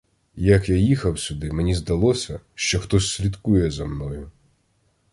Як я їхав сюди, мені здалося, що хтось слідкує за мною.